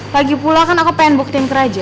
lagi pula kan aku pengen buktiin ke raja